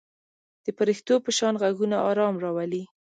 د پرښتو په شان غږونه آرام راولي.